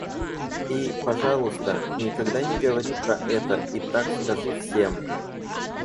И, пожалуйста, никогда не говори про это и так скажи всем.